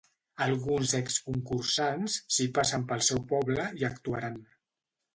Alguns exconcursants si passen pel seu poble hi actuaran.